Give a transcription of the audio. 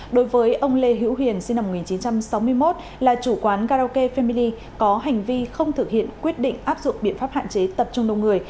đối với ông lê hữu hiền sinh năm một nghìn chín trăm sáu mươi một là chủ quán karaoke family có hành vi không thực hiện quyết định áp dụng biện pháp hạn chế tập trung đông người